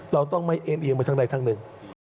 เราต้องไม่เอ็มเอียงไปทั้งใดทั้งหนึ่ง